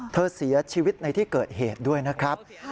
เสียชีวิตในที่เกิดเหตุด้วยนะครับ